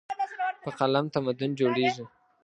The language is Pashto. په قلم تمدن جوړېږي.